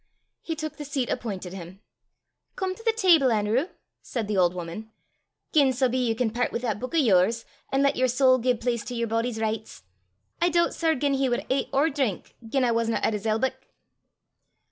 He took the seat appointed him. "Come to the table, Anerew," said the old woman, "gien sae be ye can pairt wi' that buik o' yours, an' lat yer sowl gie place to yer boady's richts. I doobt, sir, gien he wad ait or drink gien I wasna at his elbuck."